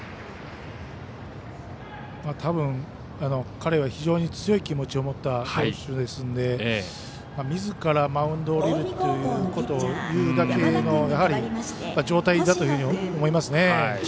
たぶん、彼は非常に強い気持ちを持った投手ですのでみずからマウンドを降りるということを言うだけの状態だと思いますね。